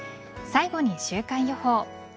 最後に週間予報。